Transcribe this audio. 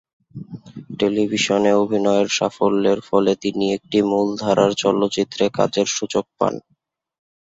টেলিভিশনে অভিনয়ের সাফল্যের ফলে তিনি একটি মূলধারার চলচ্চিত্রে কাজের সুযোগ পান।